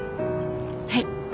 はい。